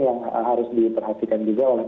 yang harus diperhatikan juga oleh